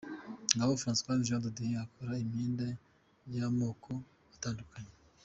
Ngabo Francois Jean de Dieu akora imyenda y'amoko atandukanye.